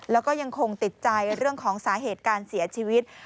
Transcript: แล้วก็ยังคงติดใจเรื่องของสาเหตุการเสียชีวิต